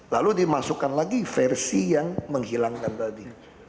lalu dimasukkan lagi versi yang menghilangkan tadi